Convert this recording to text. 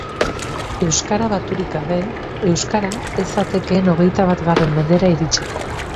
Euskara baturik gabe, euskara ez zatekeen hogeita batgarren mendera iritsiko.